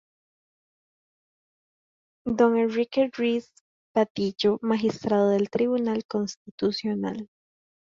D. Enrique Ruiz Vadillo: magistrado del Tribunal Constitucional.